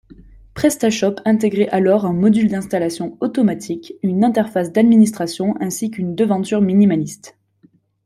PrestaShop intégrait alors un module d'installation automatique, une interface d'administration ainsi qu'une devanture minimaliste.